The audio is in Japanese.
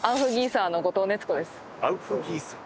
・アウフギーサー？